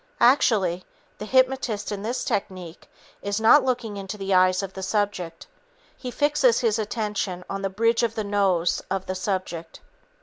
Actually, the hypnotist in this technique is not looking into the eyes of the subject. He fixes his attention on the bridge of the nose of the subject.